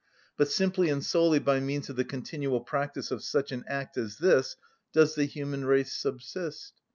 But simply and solely by means of the continual practice of such an act as this does the human race subsist.